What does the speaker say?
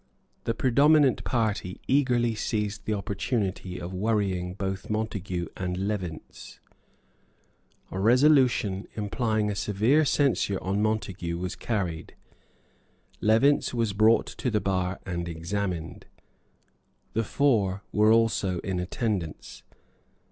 The predominant party eagerly seized the opportunity of worrying both Montague and Levinz. A resolution implying a severe censure on Montague was carried. Levinz was brought to the bar and examined. The four were also in attendance.